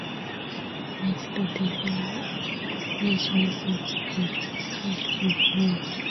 With the deferral, incorporation efforts intensified even more.